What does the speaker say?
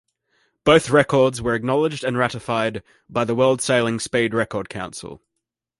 Both records were acknowledged and ratified by the World Sailing Speed Record Council.